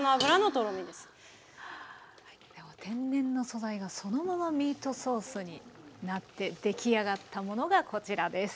天然の素材がそのままミートソースになって出来上がったものがこちらです。